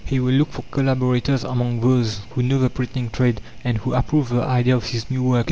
He will look for collaborators among those who know the printing trade, and who approve the idea of his new work.